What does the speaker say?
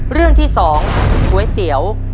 เรื่องที่๒ก๋วยเตี๋ยว